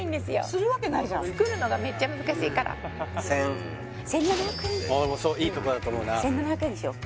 するわけないじゃん作るのがめっちゃ難しいから１０００１７００円１７００円にしよう